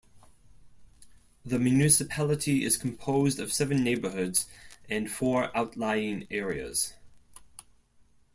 The municipality is composed of seven neighborhoods and four outlying areas.